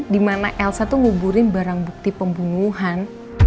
dimana elsa tuh nguburin barang bukti pembunuhan